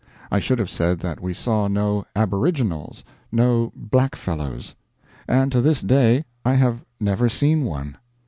I should have said that we saw no Aboriginals no "blackfellows." And to this day I have never seen one.